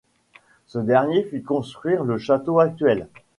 Ce dernier fit construire le château actuel.